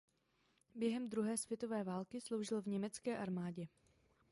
Během Druhé světová války sloužil v německé armádě.